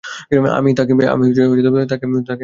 আমি তাকে মেরেই ফেলব!